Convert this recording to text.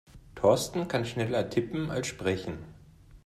Thorsten kann schneller tippen als sprechen.